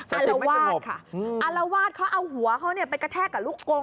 อรวาดค่ะอรวาดเขาเอาหัวเขาไปกระแทกกับลูกกรง